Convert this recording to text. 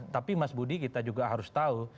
tapi mas budi kita juga harus tahu